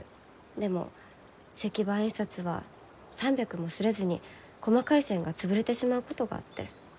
でも石版印刷は３００も刷れずに細かい線が潰れてしまうことがあって。